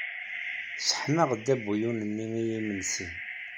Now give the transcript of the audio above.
Sseḥmaɣ-d abuyun-nni i yimensi.